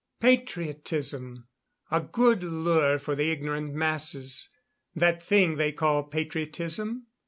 Patriotism! A good lure for the ignorant masses, that thing they call patriotism.